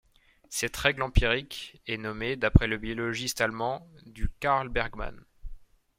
Cette règle empirique est nommée d'après le biologiste allemand du Carl Bergmann.